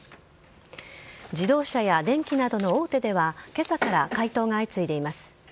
自動車や電機などの大手では、けさから回答が相次いでいます。